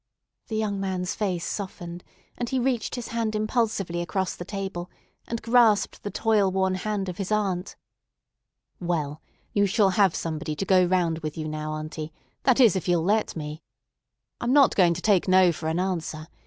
The young man's face softened, and he reached his hand impulsively across the table, and grasped the toil worn hand of his aunt. "Well, you shall have somebody to go round with you now, auntie; that is, if you'll let me. I'm not going to take 'No' for an answer.